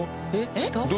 下？